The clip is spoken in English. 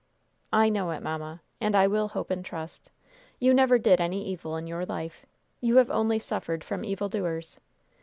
"I know it, mamma. And I will hope and trust. You never did any evil in your life. You have only suffered from evildoers.